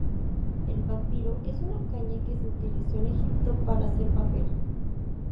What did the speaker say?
El papiro es una caña que se utilizó en Egipto para hacer papel.